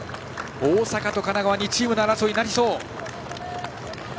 大阪と神奈川２チームの争いになりそう。